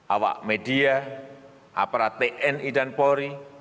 awak media aparat tni dan polri